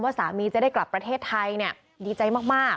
สามีจะได้กลับประเทศไทยเนี่ยดีใจมาก